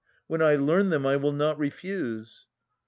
When I learn them, I will not refuse.